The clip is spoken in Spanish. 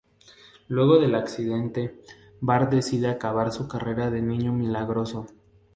Luego del accidente, Bart decide acabar su carrera de niño milagroso.